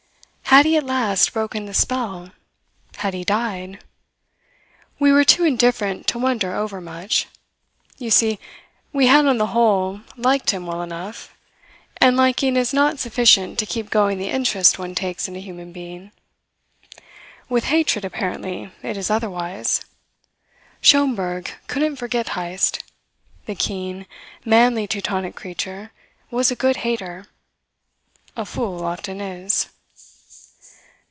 Had he at last broken the spell? Had he died? We were too indifferent to wonder overmuch. You see we had on the whole liked him well enough. And liking is not sufficient to keep going the interest one takes in a human being. With hatred, apparently, it is otherwise. Schomberg couldn't forget Heyst. The keen, manly Teutonic creature was a good hater. A fool often is.